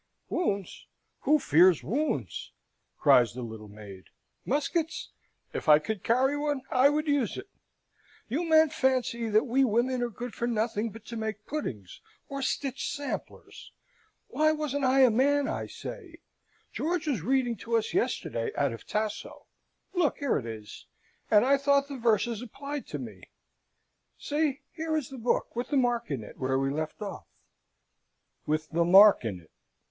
"Wounds! who fears wounds?" cries the little maid. "Muskets? If I could carry one, I would use it. You men fancy that we women are good for nothing but to make puddings or stitch samplers. Why wasn't I a man, I say? George was reading to us yesterday out of Tasso look, here it is, and I thought the verses applied to me. See! Here is the book, with the mark in it where we left off." "With the mark in it?"